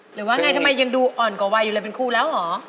หรือว่าไงทำไมยังดูอ่อนกว่าวัยอยู่เลยเป็นครูแล้วเหรอ